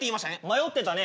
迷ってたね。